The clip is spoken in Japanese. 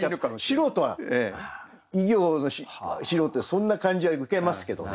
素人は医業の素人はそんな感じは受けますけどね。